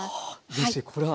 うれしいこれは。